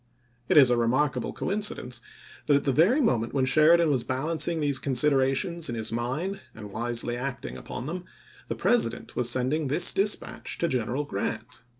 It is a remarkable coincidence that at the p •' very moment when Sheridan was balancing these considerations in his mind and wisely acting upon them, the President was sending this dispatch to General Grant.